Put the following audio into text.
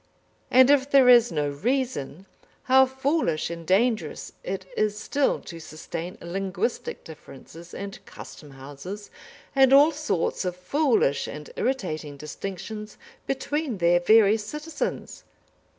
And if there is no reason, how foolish and dangerous it is still to sustain linguistic differences and custom houses, and all sorts of foolish and irritating distinctions between their various citizens!